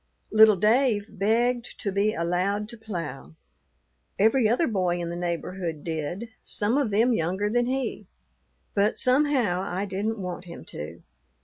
"Little Dave begged to be allowed to plough. Every other boy in the neighborhood did, some of them younger than he, but somehow I didn't want him to.